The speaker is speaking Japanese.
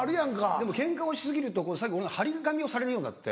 でもケンカをし過ぎると最近俺張り紙をされるようになって。